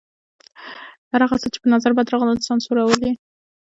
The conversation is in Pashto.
هر هغه څه چې په نظر بد راغلل سانسورول یې.